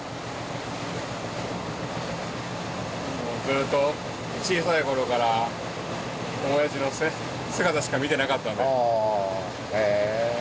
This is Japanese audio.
ずっと小さい頃からおやじの背中しか見てなかったんで。